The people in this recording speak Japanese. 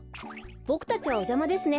ボクたちはおじゃまですね。